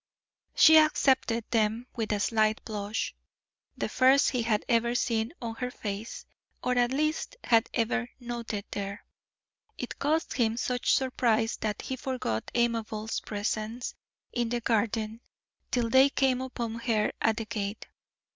She accepted them with a slight blush, the first he had ever seen on her face, or at least had ever noted there. It caused him such surprise that he forgot Amabel's presence in the garden till they came upon her at the gate.